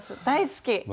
大好き。